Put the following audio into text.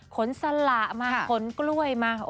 สละมาขนกล้วยมา